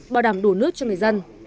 bảo đảm đủ nước cho người dân